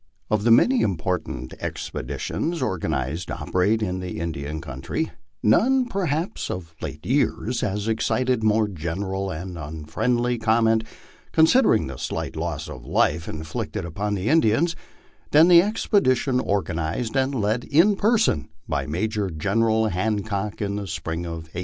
Of the many important expeditions organized to operate in the Indian country, none, perhaps, of late years has excited more general and unfriendly comment, considering the slight loss of life inflicted upon the Indians, than the expedition organized and led in person by Major General Hancock in the spring of 1867.